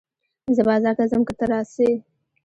زه بازار ته ځم که ته راسې